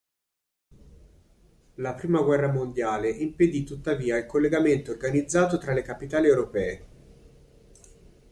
La prima guerra mondiale impedì tuttavia il collegamento organizzato tra le capitali europee.